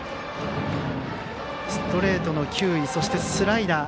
ストレートの球威そしてスライダー。